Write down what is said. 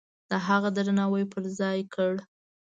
د هغه درناوی پرځای کړ.